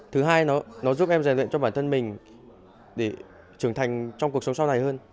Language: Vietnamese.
thứ hai nó giúp em rèn luyện cho bản thân mình để trưởng thành trong cuộc sống sau này hơn